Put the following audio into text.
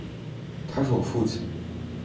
他是我父亲